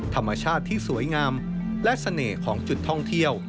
ธรรมชาติที่สวยงามและเสน่ห์ของจุดท่องเที่ยว